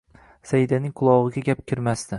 Saidaning qulog`iga gap kirmasdi